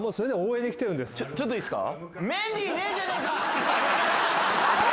ちょっといいっすか？